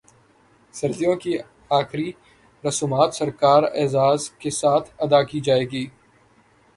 سری دیوی کی اخری رسومات سرکاری اعزاز کے ساتھ ادا کی جائیں گی